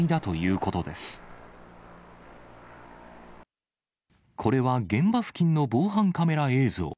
これは現場付近の防犯カメラ映像。